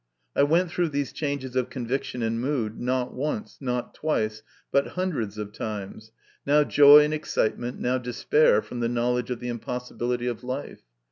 I went through these changes of conviction and mood, not once, not twice, but hundreds of times now joy and excitement, now despair from the knowledge of the impossibility of life.